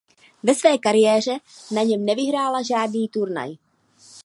Ve své kariéře na něm nevyhrála žádný turnaj.